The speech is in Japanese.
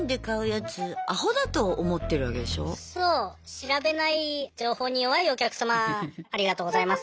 調べない情報に弱いお客様ありがとうございます。